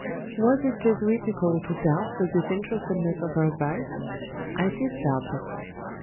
Was it Jesuitical to doubt the disinterestedness of her advice? I did doubt it.